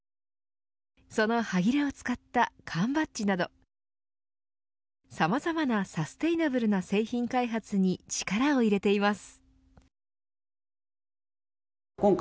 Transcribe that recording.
そのはぎれを使った缶バッジなどさまざまなサステイナブルな製品開発に力を入れています。